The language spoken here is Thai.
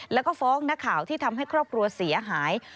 แล้วก็ฟ้องนักข่าวที่ทำให้ครอบครัวเสียหาย